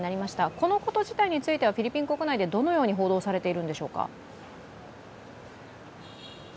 このこと自体についてはフィリピン国内でどのように報道されているんでしょうか？